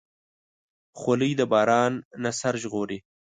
خولۍ د باران نه سر ژغوري.